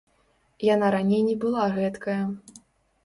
Яна раней не была гэткая!